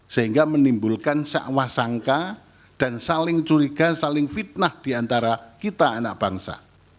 sehingga menimbulkan sakwah sangka dan saling curiga saling fitnah diantara kita anak bangsa